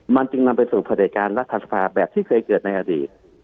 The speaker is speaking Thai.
มันจึงนำไปสู่ประเทศกาลรัฐศาสตร์ภาคแบบที่เคยเกิดในอดีต